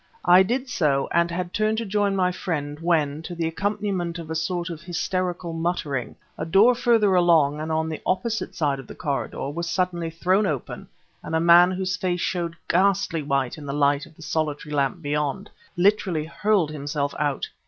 I did so and had turned to join my friend when, to the accompaniment of a sort of hysterical muttering, a door further along, and on the opposite side of the corridor, was suddenly thrown open, and a man whose face showed ghastly white in the light of the solitary lamp beyond, literally hurled himself out.